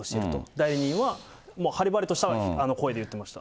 代理人はもう晴れ晴れとした声で言ってました。